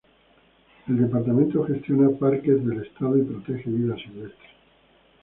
El departamento gestiona parques del estado y protege vida silvestre.